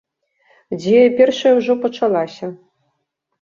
Дзея першая ўжо пачалася.